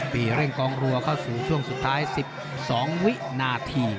ปีเร่งกองรัวเข้าสู่ช่วงสุดท้าย๑๒วินาที